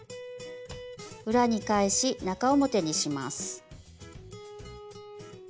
裏に返し中表にします。